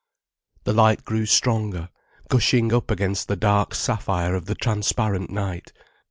The light grew stronger, gushing up against the dark sapphire of the transparent night.